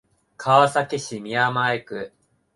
川崎市宮前区